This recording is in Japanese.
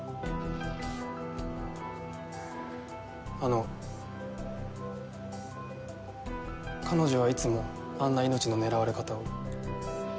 あの彼女はいつもあんな命の狙われ方を？